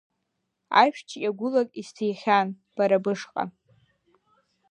Ашәч иагәылак исҭихьан, бара бышҟа…